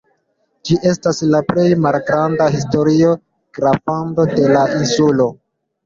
Ĝi estas la plej malgranda historia graflando de la insulo.